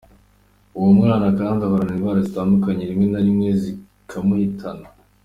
Uwo mwana kandi ahorana indwara zitandukanye rimwe na rimwe zikanamuhitana”.